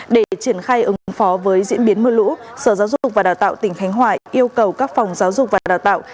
để triển khai ứng phó với diễn biến mưa lũ sở giáo dục và đào tạo tỉnh khánh hòa yêu cầu các phòng giáo dục và đào tạo